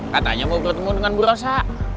katanya mau bertemu dengan burosa